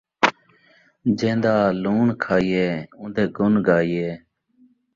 جین٘دا لوݨ کھائیے اون٘دے گن گائیے